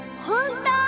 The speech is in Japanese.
本当？